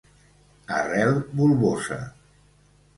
Arrel bulbosa.